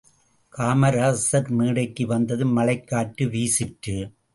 காமராசர் மேடைக்கு வந்ததும், மழைக்காற்று வீசிற்று.